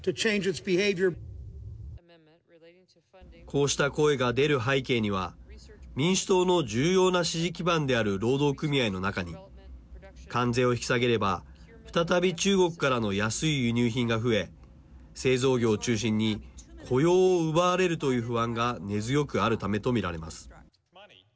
こうした声が出る背景には民主党の重要な支持基盤である労働組合の中に関税を引き下げれば再び中国からの安い輸入品が増え製造業を中心に雇用を奪われるという不安が根強くあるためと見られます。